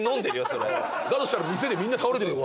それだとしたら店でみんな倒れてるよ